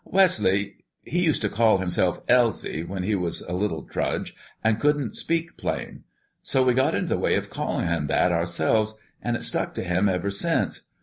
" Wesley, he used to call himself 'Elsie' when he was a little trudge an' couldn't speak plain. So we got into the way of callin' him that ourselves an' it's stuck to him ever since.